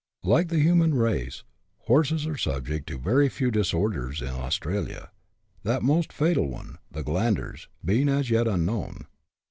Like the human race, horses are subject to very few disorders in Australia ; that most fatal one, the glanders, being as yet unknown.